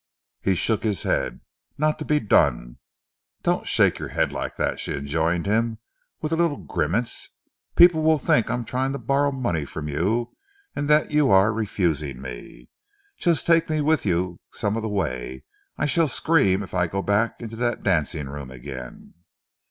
He shook his head. "Not to be done!" "Don't shake your head like that," she enjoined, with a little grimace. "People will think I am trying to borrow money from you and that you are refusing me! Just take me with you some of the way. I shall scream if I go back into that dancing room again."